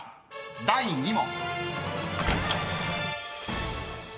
［第２問］